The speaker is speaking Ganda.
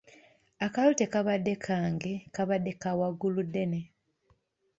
Akalo tekabadde kange kabadde ka Wagguluddene.